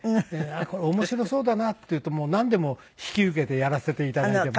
これ面白そうだなっていうともうなんでも引き受けてやらせて頂いています。